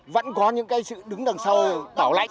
vẫn có những cái sự đứng đằng sau tảo lãnh